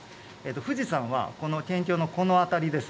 富士山は県境のこの辺りです。